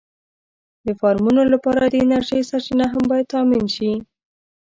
د فارمونو لپاره د انرژۍ سرچینه هم باید تأمېن شي.